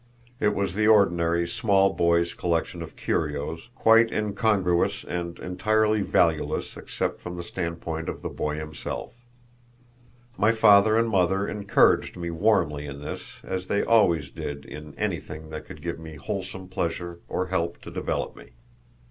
It was the ordinary small boy's collection of curios, quite incongruous and entirely valueless except from the standpoint of the boy himself. My father and mother encouraged me warmly in this, as they always did in anything that could give me wholesome pleasure or help to develop me.